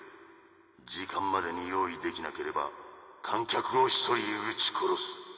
時間までに用意できなければ観客を１人撃ち殺す。